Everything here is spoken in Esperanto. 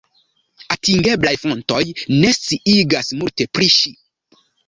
Atingeblaj fontoj ne sciigas multe pri ŝi.